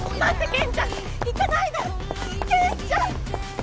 健ちゃん！